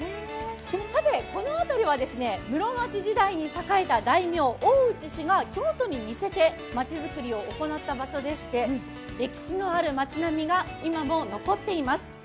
さて、この辺りは室町時代に栄えた大名、大内氏が京都に似せてまちづくりを行った場所でして歴史のある町並みが今も残っています。